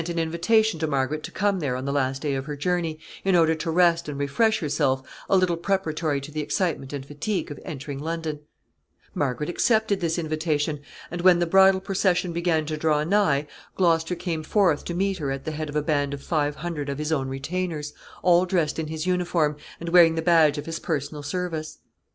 He possessed a palace at Greenwich, on the Thames, a short distance below London, and he sent an invitation to Margaret to come there on the last day of her journey, in order to rest and refresh herself a little preparatory to the excitement and fatigue of entering London. Margaret accepted this invitation, and when the bridal procession began to draw nigh, Gloucester came forth to meet her at the head of a band of five hundred of his own retainers, all dressed in his uniform, and wearing the badge of his personal service.